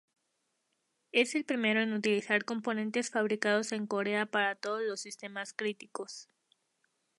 Es el primero en utilizar componentes fabricados en Corea para todos los sistemas críticos.